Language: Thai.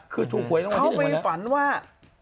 เค้าไปฝันว่า